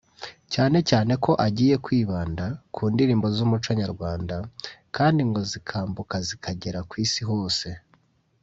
cyane cyane ko agiye kwibanda ku ndirimbo z’ umuco nyarwanda kandi ngo zikambuka zikagera ku isi hose